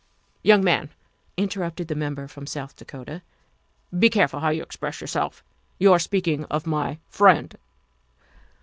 ''" Young man," interrupted the Member from South Dakota, " be careful how you express yourself. You are speaking of my friend."